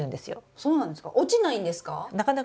そうなんですか？